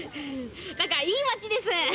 何か、いい街です。